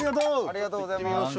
「ありがとうございます」